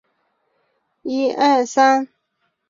嘉靖十七年授直隶丹徒县知县。